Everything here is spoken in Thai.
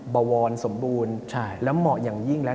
บวรสมบูรณ์และเหมาะอย่างยิ่งแล้ว